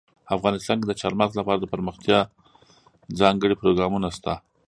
افغانستان کې د چار مغز لپاره دپرمختیا ځانګړي پروګرامونه شته.